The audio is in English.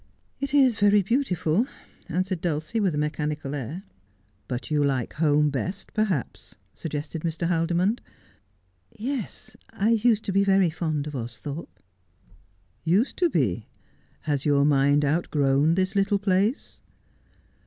' It is very beautiful,' answered Dulcie, with a mechanical air. ' But you like home best, perhaps,' suggested Mr. Haldimond. 'Yes. I used to be very fond of Austhorpe.' ' Used to be 1 Has your mind outgrown this little place